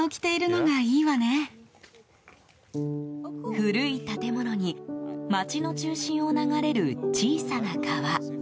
古い建物に街の中心を流れる小さな川。